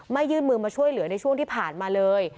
ยื่นมือมาช่วยเหลือในช่วงที่ผ่านมาเลย